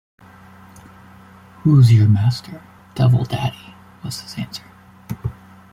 ‘Who’s your master?’ ‘Devil daddy,’ was his answer.